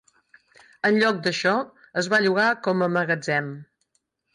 En lloc d'això, es va llogar com a magatzem.